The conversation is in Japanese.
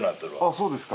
そうですか。